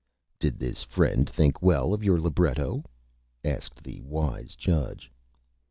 "Did this Friend think Well of your Libretto?" asked the Wise Judge.